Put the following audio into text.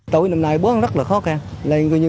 tỏi năm nay bón rất là khó khăn